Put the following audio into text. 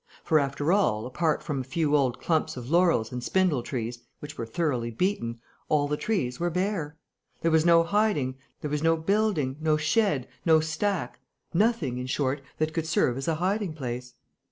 For, after all, apart from a few old clumps of laurels and spindle trees, which were thoroughly beaten, all the trees were bare. There was no building, no shed, no stack, nothing, in short, that could serve as a hiding place.